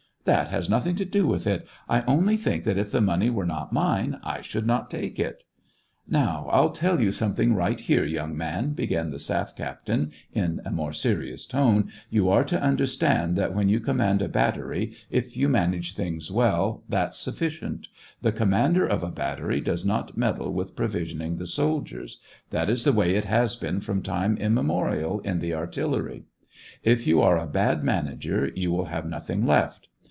"That has nothing to do with it ; I only think that if the money were not mine, I should not take it." " Now, I'll tell you something right here, young man," began the staff captain in a more serious tone, " you are to understand that when you com mand a battery, if you manage things well, that's sufficient ; the commander of a battery does not meddle with provisioning the soldiers ; that is the 214 SEVASTOPOL IN AUGUST. way it has been from time immemorial in the ar tillery. If you are a bad manager, you will have nothing left.